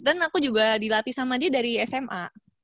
dan aku juga dilatih sama dia dari sma